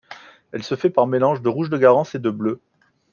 Elle se fait par mélange de rouge de garance et de bleu.